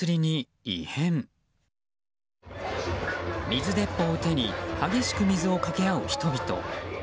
水鉄砲を手に激しく水をかけ合う人々。